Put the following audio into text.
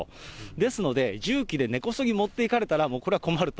ですので、重機で根こそぎ持っていかれたらもうこれは困ると。